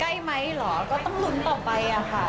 ได้ไหมเหรอก็ต้องลุ้นต่อไปอะค่ะ